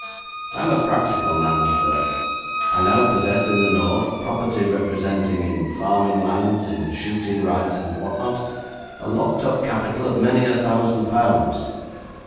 I am a practical man, sir. I now possess in the north property representing, in farming lands, in shooting rights, and what not, a locked up capital of many a thousand pounds.